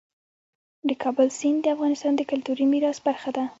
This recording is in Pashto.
د کابل سیند د افغانستان د کلتوري میراث برخه ده.